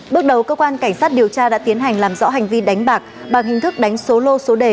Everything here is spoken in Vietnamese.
bước đầu cơ quan cảnh sát điều tra đã tiến hành làm rõ hành vi đánh bạc bằng hình thức đánh số lô số đề